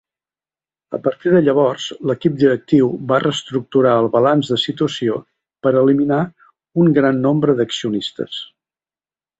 A partir de llavors, l'equip directiu va reestructurar el balanç de situació per eliminar un gran nombre d'accionistes.